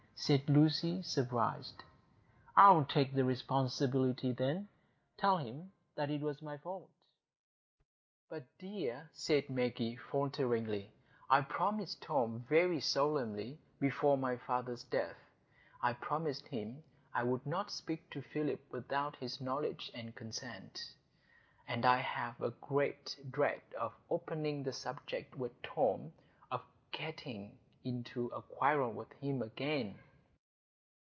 said Lucy, surprised. "I'll take the responsibility, then,—tell him it was my fault." "But, dear," said Maggie, falteringly, "I promised Tom very solemnly, before my father's death,—I promised him I would not speak to Philip without his knowledge and consent. And I have a great dread of opening the subject with Tom,—of getting into a quarrel with him again."